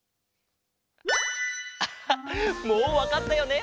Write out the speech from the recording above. もうわかったよね？